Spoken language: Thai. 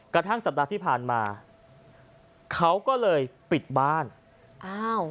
กระทั่งสัปดาห์ที่ผ่านมาเขาก็เลยปิดบ้านอ้าว